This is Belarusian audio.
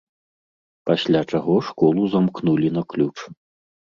Пасля чаго школу замкнулі на ключ.